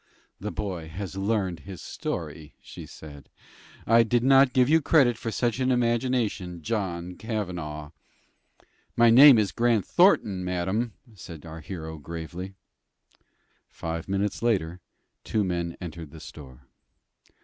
"The boy has learned his story," she said. "I did not give you credit for such an imagination, John Cavanaugh." "My name is Grant Thornton, madam," said our hero, gravely. Five minutes later two men entered the store.